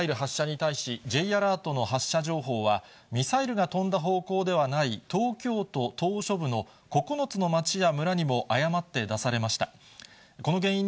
きのう、北朝鮮の弾道ミサイル発射に対し、Ｊアラートの発射情報はミサイルが飛んだ方向ではない東京都島しょ部の９つの町や村にも誤って出されました。